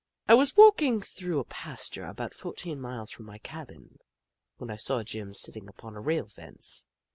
I was walking through a pasture about fourteen miles from my cabin, when I saw Jim sitting upon a rail fence.